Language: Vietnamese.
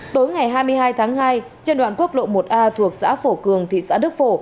tối ngày hai mươi hai tháng hai trên đoạn quốc lộ một a thuộc xã phổ cường thị xã đức phổ